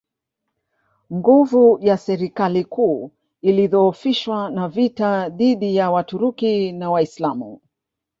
Nguvu ya serikali kuu ilidhoofishwa na vita dhidi ya Waturuki na Waislamu